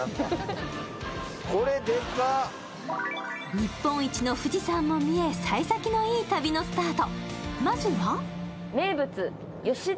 日本一の富士山も見え、さい先のいい旅のスタート。